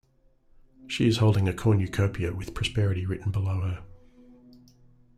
She is holding a cornucopia with prosperity written below her.